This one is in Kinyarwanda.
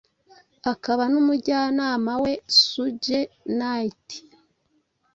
akaba n’umujyanama we Suge Knight